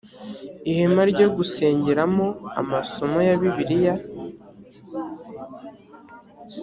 ihema ryo gusengeramo amasomo ya bibiliya